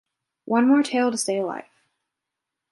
One more tale to stay alive.